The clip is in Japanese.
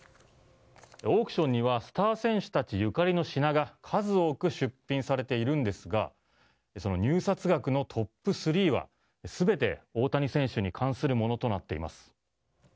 オークションにはスター選手たちゆかりの品が数多く出品されているんですがその入札額のトップ３は全て大谷選手に関するものとなっています。